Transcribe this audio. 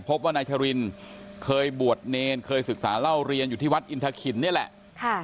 พบว่านายชรินเคยบวชเนรเคยศึกษาเล่าเรียนอยู่ที่วัดอินทะขินนี่แหละ